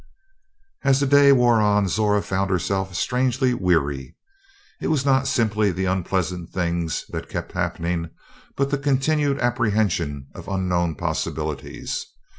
As the day wore on Zora found herself strangely weary. It was not simply the unpleasant things that kept happening, but the continued apprehension of unknown possibilities.